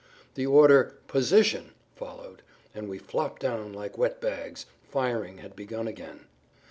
The order, "Position!" followed, and we flopped down like wet bags. Firing had begun again.